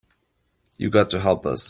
You got to help us.